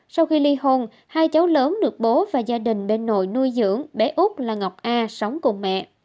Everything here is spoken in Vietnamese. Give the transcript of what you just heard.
sau khi ly hôn hai cháu lớn được bố và gia đình bên nội nuôi dưỡng bé úc là ngọc a sống cùng mẹ